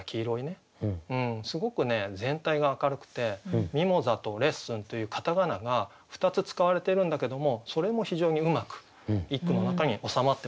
すごくね全体が明るくて「ミモザ」と「レッスン」という片仮名が２つ使われてるんだけどもそれも非常にうまく一句の中に収まってますね。